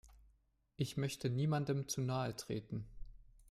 Ich möchte niemandem zu nahe treten.